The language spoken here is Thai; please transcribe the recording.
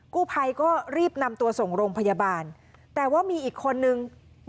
กู้ภัยก็รีบนำตัวส่งโรงพยาบาลแต่ว่ามีอีกคนนึง